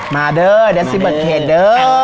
มาเด้อเด็ดซิเมิดเทจเด้อ